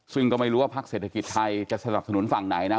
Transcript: ซึ่งก็ไม่รู้ว่าพักเศรษฐกิจไทยจะสนับสนุนฝั่งไหนนะ